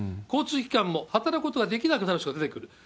交通機関も働くことができなくなる人が出てくる。